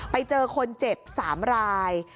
ไปเจอคนเจ็บ๓ราย